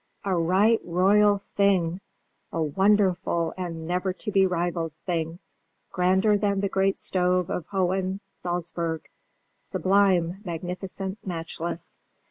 "A right royal thing! A wonderful and never to be rivalled thing! Grander than the great stove of Hohen Salzburg! Sublime! magnificent! matchless!"